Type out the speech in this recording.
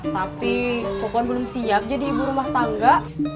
tapi kupon belum siap jadi ibu rumah tangga